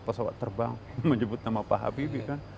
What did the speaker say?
pesawat terbang menyebut nama pak habibie kan